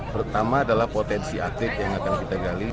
pertama adalah potensi atlet yang akan kita gali